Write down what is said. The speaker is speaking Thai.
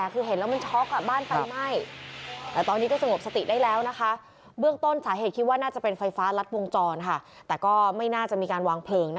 คุณพ่อคุณพ่อไฟร้อเป็นคนไปลากลูกชายออกมาค่ะ